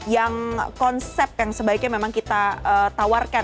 yang konsep yang sebaiknya memang kita tawarkan